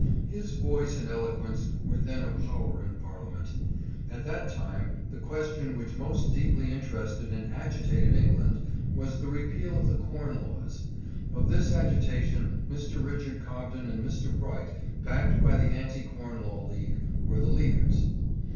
His voice and eloquence were then a power in Parliament. At that time the question which most deeply interested and agitated England was the repeal of the corn laws. Of this agitation Mr. Richard Cob den and Mr. Bright, backed by the anti corn law league, were the leaders.